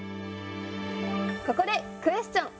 ここでクエスチョン！